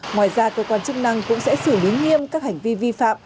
ngoài ra cơ quan chức năng cũng sẽ xử lý nghiêm các hành vi vi phạm